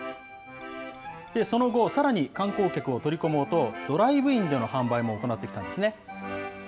その後、さらに観光客を取り込もうと、ドライブインでの販売も行ってきたんですね。